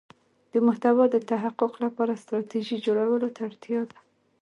د محتوا د تحقق لپاره ستراتیژی جوړولو ته اړتیا ده.